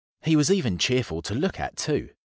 He was even cheerful to look at, too.